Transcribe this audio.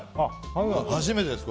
初めてです。